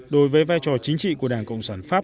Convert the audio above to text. đối với vai trò chính trị của đảng cộng sản pháp